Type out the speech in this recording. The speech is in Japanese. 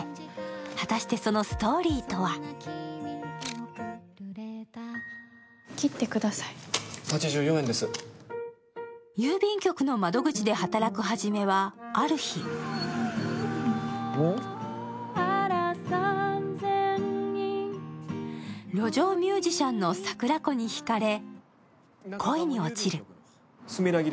果たして、そのストーリーとは？郵便局の窓口で働くハジメはある日路上ミュージシャンの桜子にひかれ、恋に落ちる。